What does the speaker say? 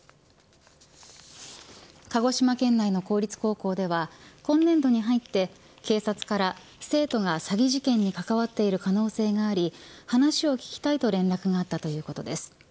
鹿児島県内の公立高校では今年度に入って警察から生徒が詐欺事件に関わっている可能性があり話を聞きたいと連絡があったということです。